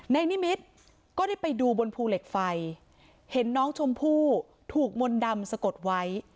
นิมิตรก็ได้ไปดูบนภูเหล็กไฟเห็นน้องชมพู่ถูกมนต์ดำสะกดไว้